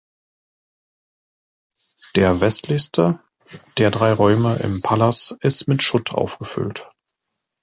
Der westlichste der drei Räume im Palas ist mit Schutt aufgefüllt.